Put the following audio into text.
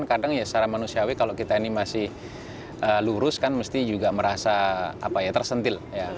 kadang ya secara manusiawi kalau kita ini masih lurus kan mesti juga merasa tersentil